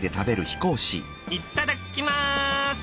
いただきます！